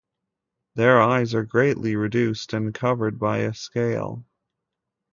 Their eyes are greatly reduced, and covered by a scale.